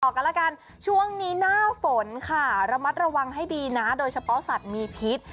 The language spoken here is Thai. กันแล้วกันช่วงนี้หน้าฝนค่ะระมัดระวังให้ดีนะโดยเฉพาะสัตว์มีพิษ